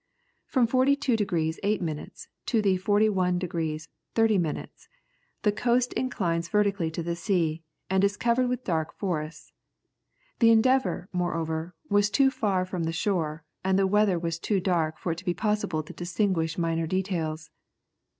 From 42 degrees 8 minutes to the 41 degrees 30 minutes the coast inclines vertically to the sea, and is covered with dark forests. The Endeavour, moreover, was too far from the shore, and the weather was too dark for it to be possible to distinguish minor details.